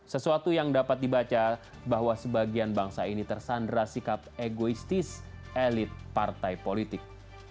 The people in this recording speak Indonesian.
sesuatu yang dapat dibaca bahwa sebagian bangsa ini tersandra sikap egoistis elit partai politik